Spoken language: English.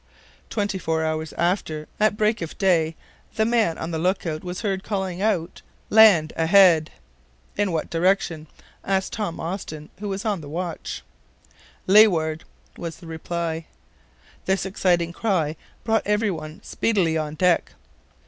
Twenty four hours after, at break of day, the man on the look out was heard calling out, "Land ahead!" "In what direction?" asked Tom Austin, who was on watch. "Leeward!" was the reply. This exciting cry brought everyone speedily on deck.